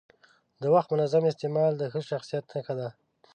د وخت منظم استعمال د ښه شخصیت نښه ده.